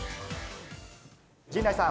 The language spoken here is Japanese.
陣内さん。